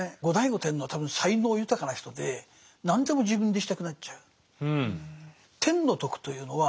後醍醐天皇は多分才能豊かな人で何でも自分でしたくなっちゃう。